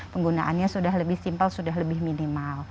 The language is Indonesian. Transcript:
penggunaannya sudah lebih simpel sudah lebih minimal